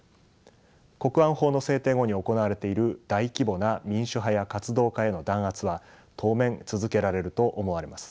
国安法の制定後に行われている大規模な民主派や活動家への弾圧は当面続けられると思われます。